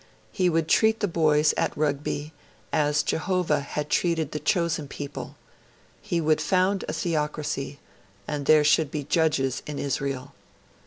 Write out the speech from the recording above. He would treat the boys at Rugby as Jehovah had treated the Chosen People: he would found a theocracy; and there should be judges in Israel.